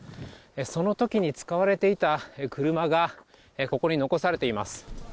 その時に使われていた車がここに残されています。